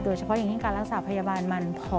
เฉพาะอย่างยิ่งการรักษาพยาบาลมันพอ